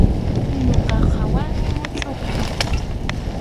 Kunkap hawanmi muchʼuqa.